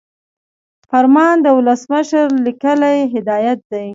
فرمان د ولسمشر لیکلی هدایت دی.